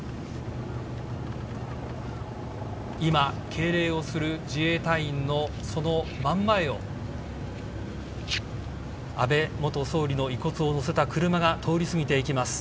敬礼をする自衛隊員のその真ん前を安倍元総理の遺骨を載せた車が通り過ぎていきます。